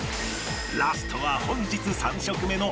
ラストは本日３食目の有吉